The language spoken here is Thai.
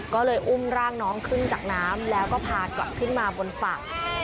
ก็เลยอุ้มร่างน้องขึ้นจากน้ำแล้วก็พากลับขึ้นมาบนฝั่ง